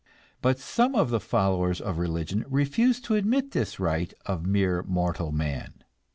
But some of the followers of religion refuse to admit this right of mere mortal man.